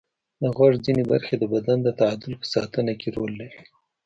د غوږ ځینې برخې د بدن د تعادل په ساتنه کې رول لري.